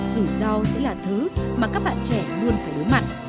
dù do sẽ là thứ mà các bạn trẻ luôn phải đối mặt